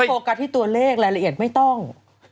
อย่าให้โฟกัสที่ตัวเลขเลยละเอียดไม่ต้อง